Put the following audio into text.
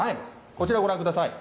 こちらご覧ください。